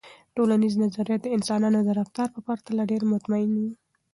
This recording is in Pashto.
ټولنیز نظریات د انسانانو د رفتار په پرتله ډیر مطمئن وي.